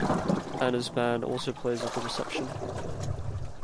Anna's band also plays at the reception.